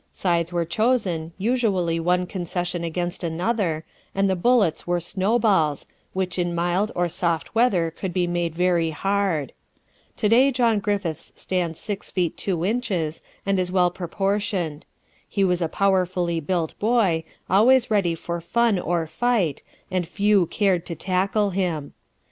Sides were chosen, usually one concession against another, and the bullets were snowballs, which in mild or soft weather could be made very hard. To day John Griffiths stands six feet two inches, and well proportioned. He was a powerfully built boy, always ready for fun or fight, and few cared to tackle him.